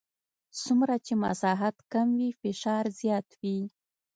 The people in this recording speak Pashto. څومره چې مساحت کم وي فشار زیات وي.